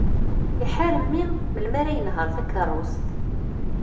Iḥar mmi melmi ara yenher takerrust.